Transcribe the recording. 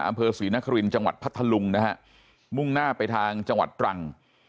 อำเภอศรีนครินทร์จังหวัดพัทธลุงนะฮะมุ่งหน้าไปทางจังหวัดตรัง